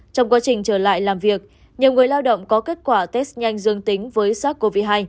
trong quá trình trở lại làm việc nhiều người lao động có kết quả test nhanh dương tính với sars cov hai